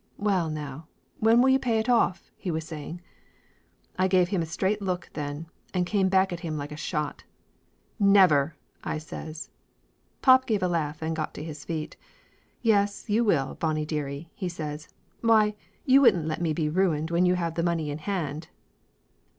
"Well, now when will you pay it off?" he was saying. I give him a straight look then, and came back at him like a shot. "Never!" I says. Pop give a laugh and got to his feet. "Yes, you will, Bonnie dearie," he says. "Why, you wouldn't let us be ruined when you have the money in hand!"